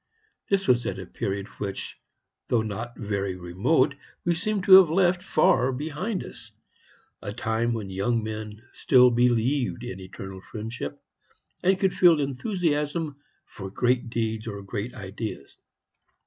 This was at a period which, though not very remote, we seem to have left far behind us a time when young men still believed in eternal friendship, and could feel enthusiasm for great deeds or great ideas.